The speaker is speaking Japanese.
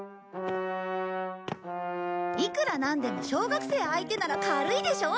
いくらなんでも小学生相手なら軽いでしょ？